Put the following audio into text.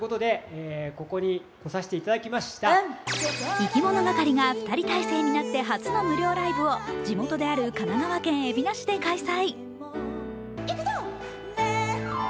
いきものがかりが２人体制になって初の無料ライブを地元である神奈川県海老名市で開催。